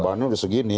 bahannya sudah segini